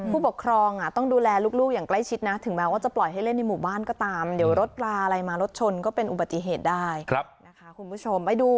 ผู้ปกครองต้องดูแลลูกอย่างใกล้ชิดนะถึงแม้ว่าจะปล่อยให้เล่นในหมู่บ้านก็ตามเดี๋ยวรถปลาอะไรมารถชนก็เป็นอุบัติเหตุได้นะคะคุณผู้ชม